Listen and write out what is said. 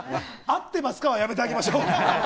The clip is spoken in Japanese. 合ってますかはやめてあげましょう。